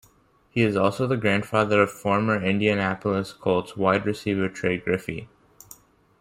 He is also the grandfather of former Indianapolis Colts wide receiver Trey Griffey.